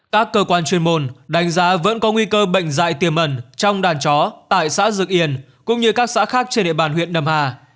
các cơ quan chuyên môn đánh giá vẫn có nguy cơ bệnh dạy tiềm ẩn trong đàn chó tại xã dực yên cũng như các xã khác trên địa bàn huyện đầm hà